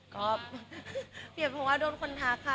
ก็เปรียบเพราะว่าโดนคนทักค่ะ